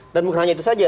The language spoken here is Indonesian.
dan bukan hanya itu saja